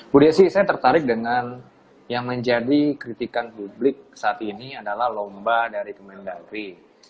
bu desi saya tertarik dengan yang menjadi kritikan publik saat ini adalah lomba dari kemendagri